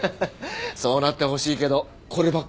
そうなってほしいけどこればっかりはな。